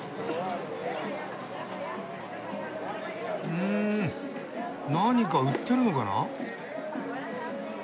うん何か売ってるのかな？